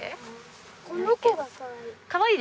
この子がかわいい。